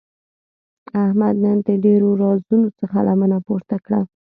احمد نن د ډېرو رازونو څخه لمنه پورته کړه.